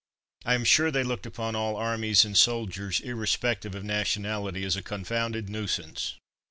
I am sure they looked upon all armies and soldiers, irrespective of nationality, as a confounded nuisance.